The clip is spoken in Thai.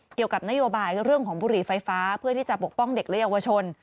เกี่ยวกับนโยบายเรื่องของบุหรี่ไฟฟ้าเพื่อที่จะปกป้องเด็กและเยาวชน